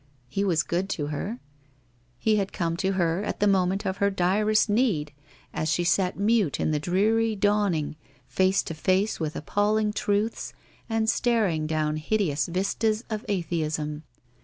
He was good to her. He had come to her at the moment of her direst need, as she sat mute in the dreary dawning, face to face with appalling truths and staring down hideous vistas of atheism.